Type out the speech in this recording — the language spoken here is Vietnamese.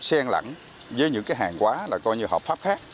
các mặt hàng có thể được xen lẳng với những cái hàng quá là coi như hợp pháp khác